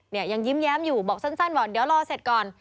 ยังยิ้มแย้มอยู่บอกสั้นบอกเดี๋ยวรอเสร็จก่อน